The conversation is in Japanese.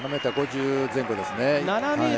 ７ｍ５０前後ですね。